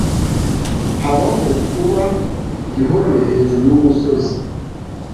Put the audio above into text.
Habaho kuba igihome hejuru yumusozi.